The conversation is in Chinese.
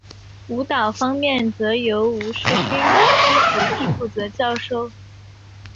舞蹈方面则由吴世勋师傅负责教授。